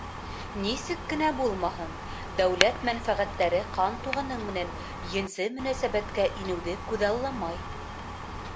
Нисек кенә булмаһын, дәүләт мәнфәғәттәре ҡан туғаның менән енси мөнәсәбәткә инеүҙе күҙалламай.